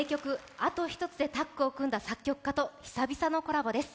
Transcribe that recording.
「あとひとつ」でタッグを組んだ作曲家と久々のコラボです。